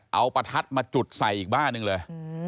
เอาประทัดมาจุดใส่อีกบ้านหนึ่งเลย